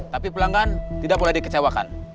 tapi pelanggan tidak boleh dikecewakan